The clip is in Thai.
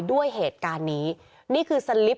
ด้วยเหตุการณ์นี้